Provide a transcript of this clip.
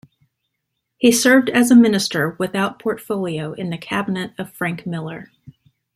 He served as a minister without portfolio in the cabinet of Frank Miller.